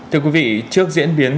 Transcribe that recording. thưa quý vị trước diễn biến